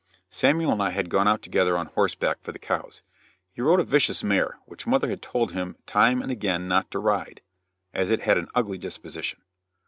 Samuel and I had gone out together on horseback for the cows. He rode a vicious mare, which mother had told him time and again not to ride, as it had an ugly disposition.